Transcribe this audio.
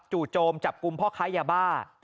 โจมจับกลุ่มพ่อค้ายาบ้า